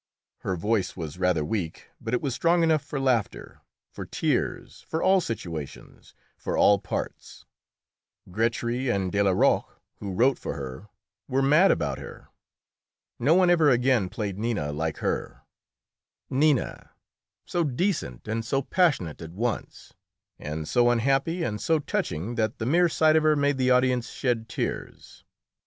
Her voice was rather weak, but it was strong enough for laughter, for tears, for all situations, for all parts. Grétry and Delayrac, who wrote for her, were mad about her. No one ever again played Nina like her Nina, so decent and so passionate at once, and so unhappy and so touching that the mere sight of her made the audience shed tears.